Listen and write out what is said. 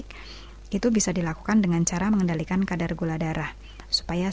kadar gula darah supaya